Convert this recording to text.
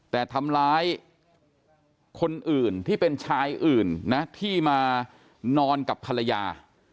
แต่ทำร้ายคนอื่นที่เป็นชายอื่นนะที่มานอนกับภรรยา